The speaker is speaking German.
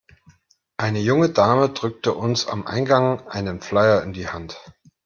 Eine junge Dame drückte uns am Eingang einen Flyer in die Hand.